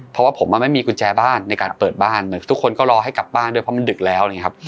เพราะว่าผมไม่มีกุญแจบ้านในการเปิดบ้านเหมือนทุกคนก็รอให้กลับบ้านด้วยเพราะมันดึกแล้วอะไรอย่างนี้ครับ